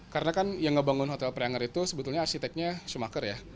karena kan yang ngebangun hotel preanger itu sebetulnya arsiteknya sumaker ya